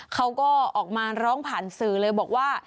เขาก็ออกมาร้องผ่านสื่อเลยบอกว่า